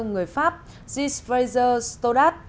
người pháp gilles frazer stodart